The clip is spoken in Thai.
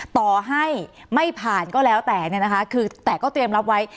ต่อให้ไม่ผ่านก็แล้วแต่เนี่ยนะคะคือแต่ก็เตรียมรับไว้